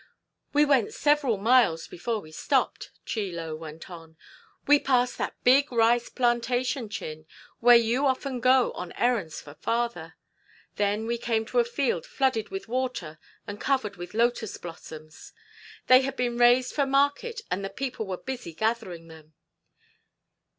"We went several miles before we stopped," Chie Lo went on. "We passed that big rice plantation, Chin, where you often go on errands for father. Then we came to a field flooded with water and covered with lotus blossoms. They had been raised for market and the people were busy gathering them.